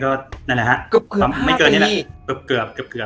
ก็นั่นแหละฮะเกือบไม่เกินนี้แหละเกือบเกือบเกือบเกือบ